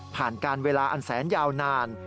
ผ่านการเวลาอันแสนยาวนาน